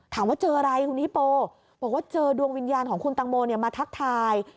ถามว่าเจออะไรคุณฮิโปบอกว่าเจอดวงวิญญาณของคุณตังโมมาทักทาย